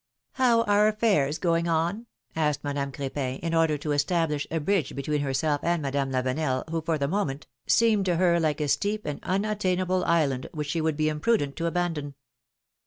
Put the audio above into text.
How are affairs going on ?'' asked Madame Cr^pin, in order to establish a bridge between herself and Madame Lavenel, who, for the moment, seemed to her like a steep and unattainable island, which she would be imprudent to abandon.